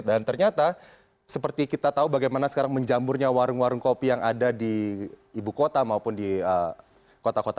dan ternyata seperti kita tahu bagaimana sekarang menjamurnya warung warung kopi yang ada di ibu kota maupun di kota kota indonesia